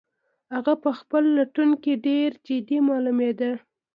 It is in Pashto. هغه په خپل لټون کې ډېر جدي معلومېده.